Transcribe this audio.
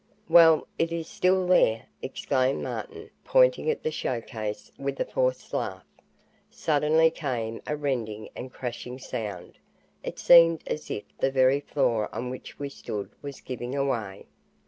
"Well, it is still there!" exclaimed Martin, pointing at the show case, with a forced laugh. Suddenly came a rending and crashing sound. It seemed as if the very floor on which we stood was giving way.